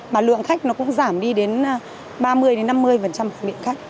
mà lượng khách nó cũng giảm đi đến ba mươi năm mươi của miệng khách